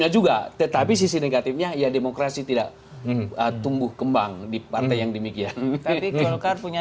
juga tetapi sisi negatifnya ya demokrasi tidak tumbuh kembang di partai yang demikian punya